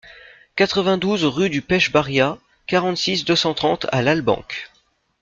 quatre-vingt-douze rue du Pech Barriat, quarante-six, deux cent trente à Lalbenque